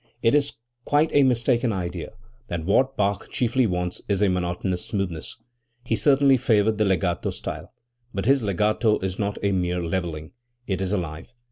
It is quite a mistaken idea that what Bach chiefly wants is a monotonous smoothness. He certainly favored the legato style. But his legato is not a mere levelling; it is alive.